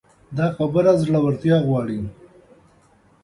دا خبره زړورتيا غواړي.